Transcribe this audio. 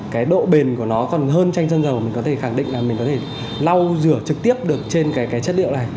cái độ bền của nó còn hơn tranh dân dầu mình có thể khẳng định là mình có thể lau rửa trực tiếp được trên cái chất liệu này